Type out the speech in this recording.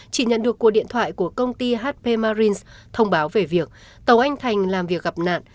chỉ nhận được cuộc điện thoại của công ty hp marins thông báo về việc tàu anh thành làm việc gặp nạn